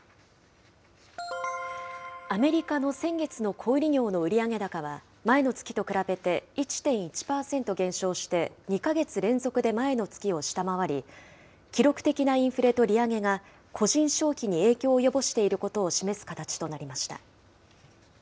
アメリカの先月の小売り業の売上高は、前の月と比べて１．１％減少して、２か月連続で前の月を下回り、記録的なインフレと利上げが、個人消費に影響を及ぼしていることを示す形となりました。